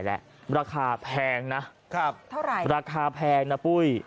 และราคาแพงนะครับเท่าไหร่ราคาแพงนะปุ้ย